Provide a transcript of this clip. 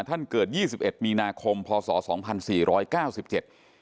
ท่านเกิดยี่สิบเอ็ดมีนาคมพศสองพันสี่ร้อยเก้าสิบเจ็ด